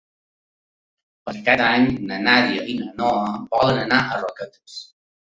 Per Cap d'Any na Nàdia i na Noa volen anar a Roquetes.